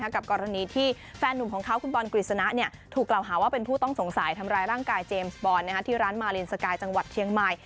กับกรณีที่แฟนหนุ่มของเขาคุณบอลกฤษณะถูกกล่าวหาว่าเป็นผู้ต้องสงสัยทำร้ายร่างกายเจมส์บอลที่ร้านมาเลนสกายจังหวัดเชียงใหม่